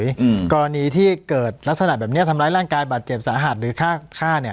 อืมกรณีที่เกิดลักษณะแบบเนี้ยทำร้ายร่างกายบาดเจ็บสาหัสหรือฆ่าฆ่าเนี้ย